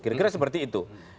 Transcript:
kira kira seperti itu